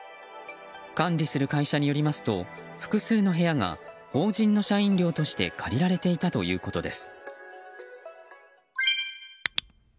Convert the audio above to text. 管理する会社によりますと複数の部屋が法人の社員寮として借りられていたということです。